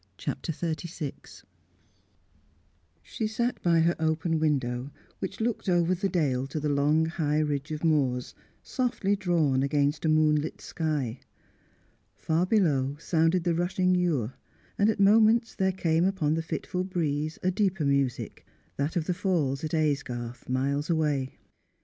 CHAPTER XXXVI She sat by her open window, which looked over the dale to the long high ridge of moors, softly drawn against a moonlit sky. Far below sounded the rushing Ure, and at moments there came upon the fitful breeze a deeper music, that of the falls at Aysgarth, miles away.